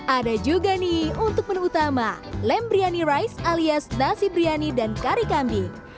ada juga nih untuk menu utama lem briyani rice alias nasi briyani dan kari kambing